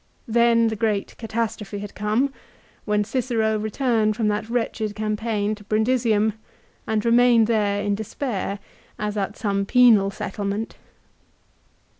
Then the great catastrophe had come, when Cicero returned from that wretched campaign to Brundi sium, and remained there in despair as at some penal settle ment.